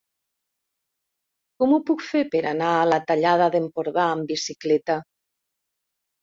Com ho puc fer per anar a la Tallada d'Empordà amb bicicleta?